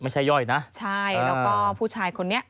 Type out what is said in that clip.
ใช่แล้วก็ผู้ชายคนนี้